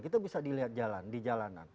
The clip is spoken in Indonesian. kita bisa dilihat jalan di jalanan